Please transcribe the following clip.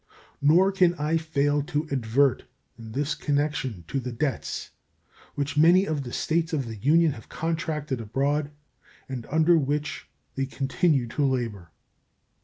Nor can I fail to advert in this connection to the debts which many of the States of the Union have contracted abroad and under which they continue to labor.